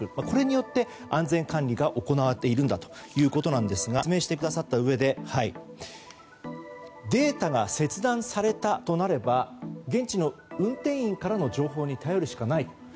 これによって安全管理が行われているんだということなんですがこのことを説明してくださったうえでデータが切断されたとなれば現地の運転員からの情報に頼るしかない。